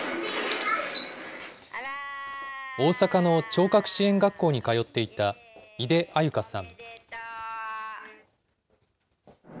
大阪の聴覚支援学校に通っていた井出安優香さん。